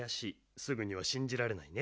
すぐにはしんじられないね。